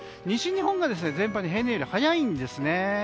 西日本が全体的に平年より早いんですね。